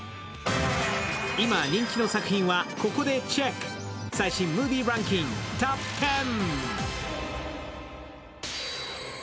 今人気の作品はここでチェック、最新ムービーランキングトップ１０。